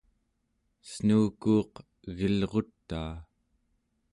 snuukuuq gilrutaa